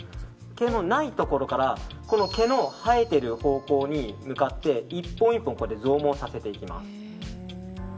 毛のないところから毛の生えている方向に向かって１本１本増毛させていきます。